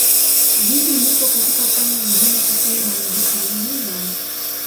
Jiji lipo katika pwani ya mjini kusini mwa Mediteranea.